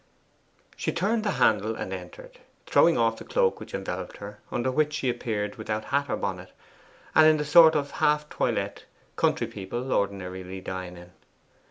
She turned the handle and entered, throwing off the cloak which enveloped her, under which she appeared without hat or bonnet, and in the sort of half toilette country people ordinarily dine in.